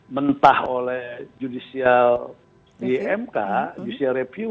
mentah oleh judicial di mk judicial review